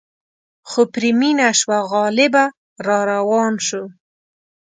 خو پرې مینه شوه غالبه را روان شو.